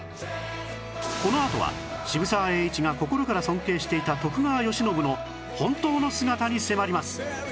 このあとは渋沢栄一が心から尊敬していた徳川慶喜の本当の姿に迫ります！